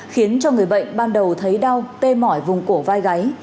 khiến cho người bệnh ban đầu thấy đau tê mỏi vùng cổ vai gáy